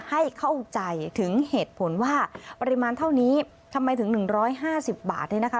ให้เข้าใจถึงเหตุผลว่าปริมาณเท่านี้ทำไมถึง๑๕๐บาทเนี่ยนะคะ